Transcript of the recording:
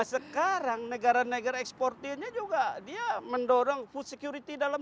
sekarang negara negara eksportirnya juga dia mendorong food security dalam